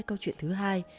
câu chuyện thứ hai